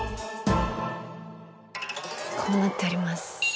こうなっております。